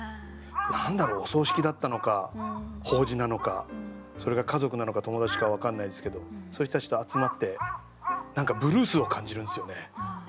何だろうお葬式だったのか法事なのかそれが家族なのか友達か分からないですけどそういう人たちと集まって何かブルースを感じるんすよね。